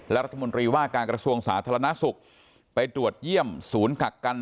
และรัฐมนตรีว่าการกระทรวงสาธารณสุขไปตรวจเยี่ยมศูนย์กักกัน